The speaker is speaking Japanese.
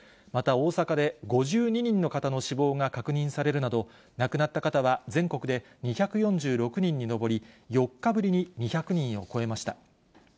また、大阪で５２人の方の死亡が確認されるなど、亡くなった方は全国で２４６人に上り、４日ぶりに２００人を超えました。